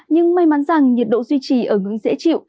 nhưng may mắn rằng nhiệt độ duy trì ở ngưỡng dễ chịu